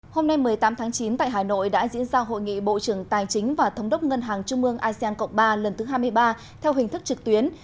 hôm nay một mươi tám tháng chín tại hà nội đã diễn ra hội nghị bộ trưởng tài chính và thống đốc ngân hàng trung ương asean cộng ba lần thứ hai mươi ba theo hình thức trực tuyến